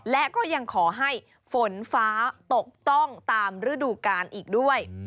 และก็ยังขอให้ฝนฟ้าตกต้องตามฤดูกาลอีกด้วย